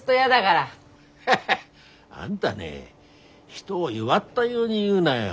ハハあんだね人を弱ったように言うなよ。